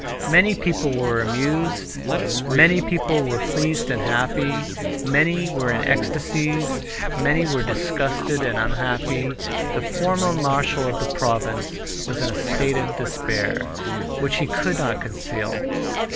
Many people were amused, many were pleased and happy, many were in ecstasies, many were disgusted and unhappy. The former marshal of the province was in a state of despair, which he could not conceal.